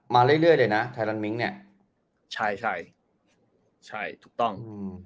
มาเรื่อยเรื่อยเลยนะไทรลันมิ้งเนี้ยใช่ใช่ใช่ถูกต้อง